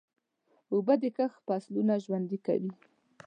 اوبه د کښت فصلونه ژوندي کوي.